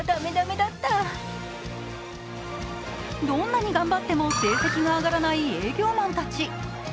どんなに頑張っても成績が上がらない営業マンたち。